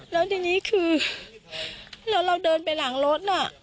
แล้วทีนี้คือแล้วเราเดินไปหลังรถน่ะ